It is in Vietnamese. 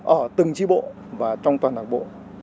ở từng chi bộ và trong toàn đảng bộ